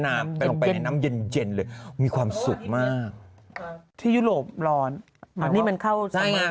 น้ำเป็นไปที่นำเย็นเย็นเลยมีความสุขมากที่หลงร้อนบ่งนี่มันเข้าจะไปอย่าง